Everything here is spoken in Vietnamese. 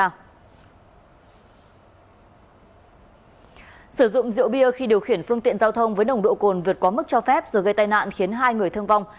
trần việt đức đã sử dụng rượu bia khi điều khiển phương tiện giao thông với nồng độ cồn vượt quá mức cho phép rồi gây tai nạn khiến hai người thương vong